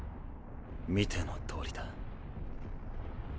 見てのとおりだ。